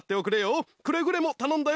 くれぐれもたのんだよ！